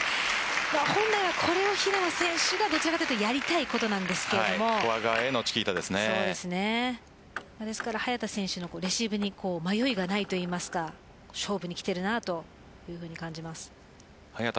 本来は、これを平野選手がやりたいことなんですけどですから、早田選手のレシーブに迷いがないといいますか勝負にきているなというふうに感じます。